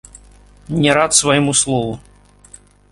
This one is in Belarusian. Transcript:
Не рад свайму слову.